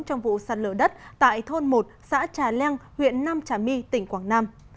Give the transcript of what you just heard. trong vụ sạt lở đất tại thôn một xã trà leng huyện nam trà my tỉnh quảng nam